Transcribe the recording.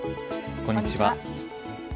こんにちは。